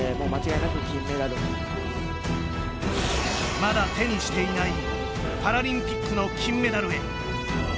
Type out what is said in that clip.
まだ手にしていないパラリンピックの金メダルへ。